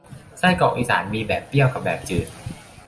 ไส้กรอกอีสานมีแบบเปรี้ยวกับแบบจืด